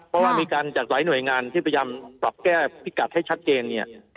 เพราะว่ามีการจัดหลายหน่วยงานที่พยายามปรับแก้พิกัดให้ชัดเจนเนี่ย